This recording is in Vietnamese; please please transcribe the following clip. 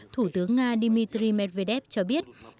thủ tướng nga dmitry medvedev cho biết